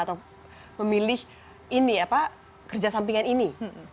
atau memilih kerja sampingan ini